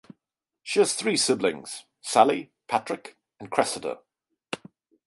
She has three siblings: Sally, Patrick, and Cressida.